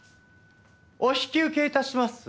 お引き受け致します。